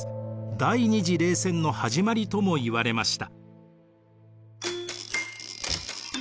第二次冷戦の始まりともいわれました。